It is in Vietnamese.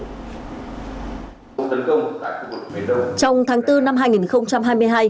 trong tháng bốn năm hai nghìn hai mươi hai